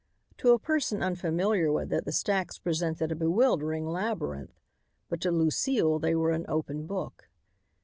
To a person unfamiliar with it, the stacks presented a bewildering labyrinth, but to Lucile they were an open book.